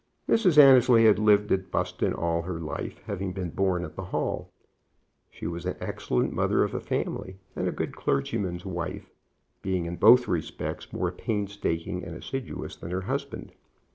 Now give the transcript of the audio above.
Mrs. Annesley had lived at Buston all her life, having been born at the Hall. She was an excellent mother of a family, and a good clergyman's wife, being in both respects more painstaking and assiduous than her husband.